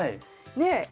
ねえ！